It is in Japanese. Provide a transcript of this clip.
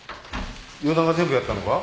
与那が全部やったのか？